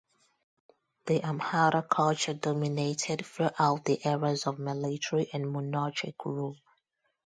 The Amhara culture dominated throughout the eras of military and monarchic rule.